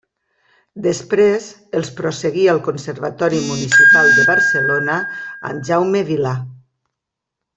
Després els prosseguí al Conservatori Municipal de Barcelona amb Jaume Vilà.